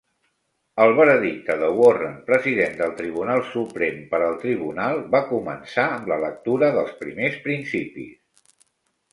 El veredicte de Warren, president del Tribunal Suprem, per al Tribunal va començar amb la lectura dels primers principis.